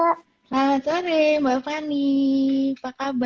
selamat sore mbak fani apa kabar